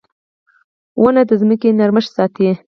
• ونه د ځمکې نرمښت ساتي.